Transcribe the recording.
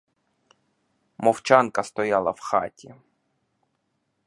Мовчанка стояла в хаті.